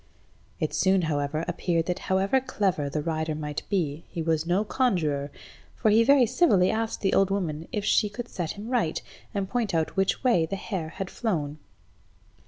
It soon, however, appeared that however clever the rider might be, he was no conjuror, for he very civilly asked the old woman if she could set him right, and point out which way the hare was flown.